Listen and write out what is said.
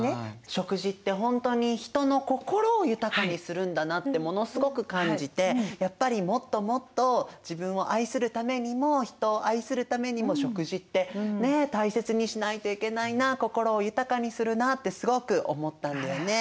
食事ってほんとに人の心を豊かにするんだなってものすごく感じてやっぱりもっともっと自分を愛するためにも人を愛するためにも食事って大切にしないといけないな心を豊かにするなってすごく思ったんだよね。